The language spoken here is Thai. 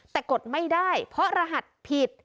แต่กดไม่ได้เพราะรหัสผิด